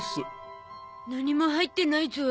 何も入ってないゾ。